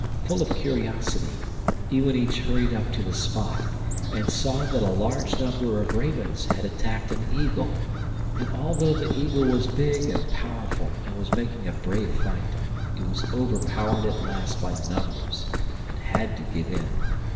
Full of curiosity, Iwanich hurried up to the spot, and saw that a large number of ravens had attacked an eagle, and although the eagle was big and powerful and was making a brave fight, it was overpowered at last by numbers, and had to give in.